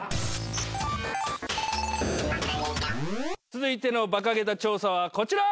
続いてのバカ桁調査はこちら！